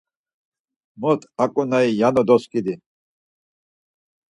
Mot aǩonari yano doskidi?